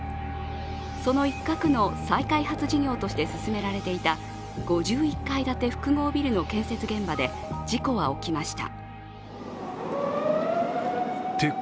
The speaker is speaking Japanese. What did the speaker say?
その一画の再開発事業として進められていた５１階建て複合ビルの建設現場で事故は起きました。